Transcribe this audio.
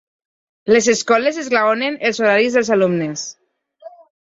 Les escoles esglaonen els horaris dels alumnes.